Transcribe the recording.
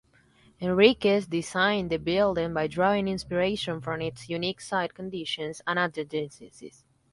Henriquez designed the building by drawing inspiration from its unique site conditions and adjacencies.